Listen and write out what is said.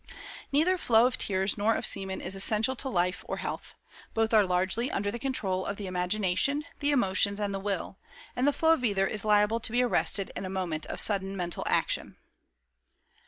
Neither flow of tears nor of semen is essential to life or health. Both are largely under the control of the imagination, the emotions, and the will; and the flow of either is liable to be arrested in a moment of sudden mental action."